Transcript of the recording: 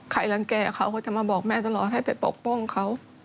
รังแก่เขาก็จะมาบอกแม่ตลอดให้ไปปกป้องเขา